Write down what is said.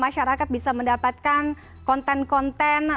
masyarakat bisa mendapatkan konten konten